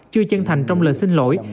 chưa chân thành trong lời xin lỗi